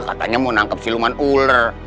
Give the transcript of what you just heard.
katanya mau nangkep siluman ular